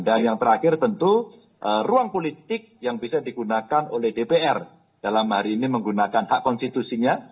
dan yang terakhir tentu ruang politik yang bisa digunakan oleh dpr dalam hari ini menggunakan hak konstitusinya